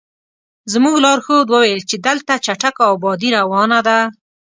زموږ لارښود وویل چې دلته چټکه ابادي روانه ده.